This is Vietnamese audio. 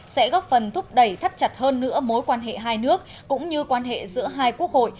sẽ góp phần thúc đẩy thắt chặt hơn nữa mối quan hệ hai nước cũng như quan hệ giữa hai quốc hội